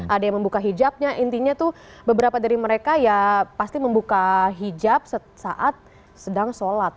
ada yang membuka hijabnya intinya tuh beberapa dari mereka ya pasti membuka hijab saat sedang sholat